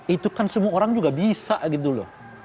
itu kan semua orang juga bisa gitu loh